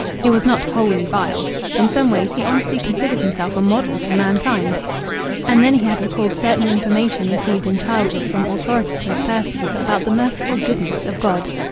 He was not wholly vile. In some ways he honestly considered himself a model to mankind. And then he had recalled certain information received in childhood from authoritative persons about the merciful goodness of God.